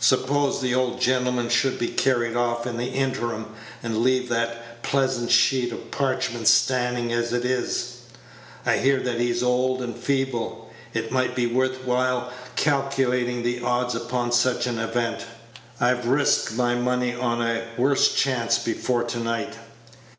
"Suppose the old gentleman should be carried off in the interim, and leave that pleasant sheet of parchment standing as it is. I hear that he's old and feeble; it might be worth while calculating the odds upon such an event. I've risked my money on a worst chance before to night."